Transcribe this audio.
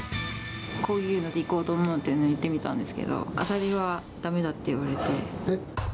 こういうのでいこうと思うって言ってみたんですけど、アサリはだめだって言われて。